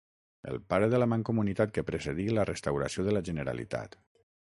El pare de la Mancomunitat que precedí la restauració de la Generalitat.